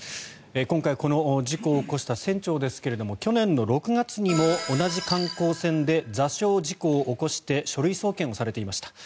今回、この事故を起こした船長ですが去年の６月にも同じ観光船で座礁事故を起こして書類送検をされていました。